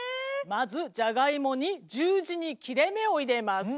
まずジャガイモに十字に切れ目を入れます。